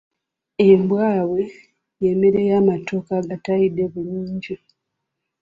Embwabwe y’emmere y’amatooke agatayidde bulungi.